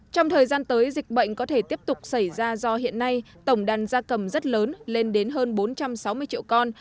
trong thời gian tới dịch bệnh có thể tiếp tục xảy ra do hiện nay tổng đàn gia cầm rất lớn lên đến hơn bốn trăm sáu mươi triệu con